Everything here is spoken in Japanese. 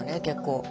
結構。